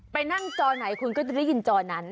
ไปนั่งจอไหนคุณก็จะได้ยินจอนั้น